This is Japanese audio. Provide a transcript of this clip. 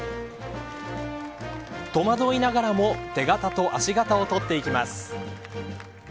戸惑いながらも手形と足形を取っていきます。